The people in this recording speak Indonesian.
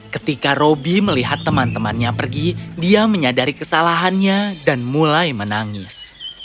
ketika roby melihat teman temannya pergi dia menyadari kesalahannya dan mulai menangis